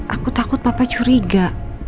aku takut papa curiga